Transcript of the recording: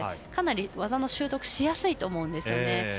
かなり技の習得をしやすいと思うんですね。